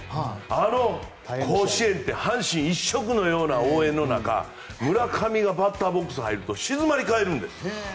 あの甲子園って阪神一色のような応援の中村上がバッターボックスに入ると静まり返るんです。